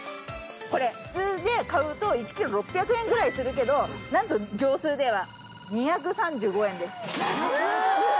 これ普通で買うと１ｋｇ６００円ぐらいするけど何と業スーでは２３５円です。